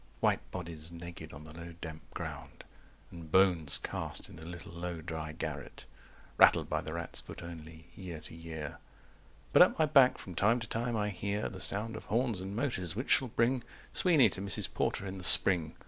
White bodies naked on the low damp ground And bones cast in a little low dry garret, Rattled by the rat's foot only, year to year. 195 But at my back from time to time I hear The sound of horns and motors, which shall bring Sweeney to Mrs. Porter in the spring.